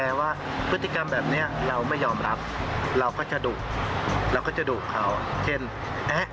ว่าพฤติกรรมแบบนี้เราไม่ยอมรับเราก็จะดุเราก็จะดุเขาเช่นแอ๊ะ